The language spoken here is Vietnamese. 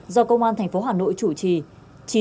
do công an thành phố hà nội chủ trì